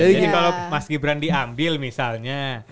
jadi kalau mas gibran diambil misalnya